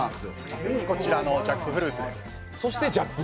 こちらがジャックフルーツです。